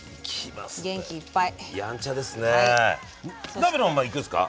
鍋のままいくんですか？